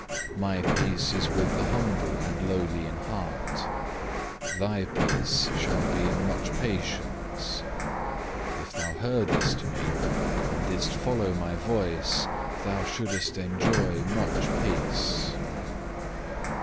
My peace is with the humble and lowly in heart. Thy peace shall be in much patience. If thou heardest Me, and didst follow My voice, thou shouldest enjoy much peace."